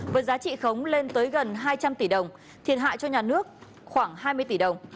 với giá trị khống lên tới gần hai trăm linh tỷ đồng thiệt hại cho nhà nước khoảng hai mươi tỷ đồng